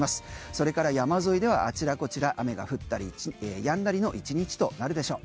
それから山沿いではあちらこちら雨が降ったりやんだりの１日となるでしょう。